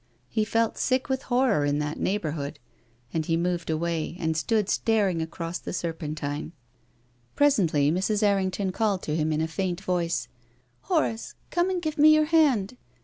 He felt sick with horror in that neighbourhood, and he moved away, and stood staring across the Serpentine. Presently Mrs. Errington called to him in a faint voice " Horace, come and give me your hand."